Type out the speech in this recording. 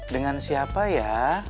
dengan siapa ya